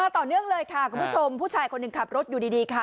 ต่อเนื่องเลยค่ะคุณผู้ชมผู้ชายคนหนึ่งขับรถอยู่ดีค่ะ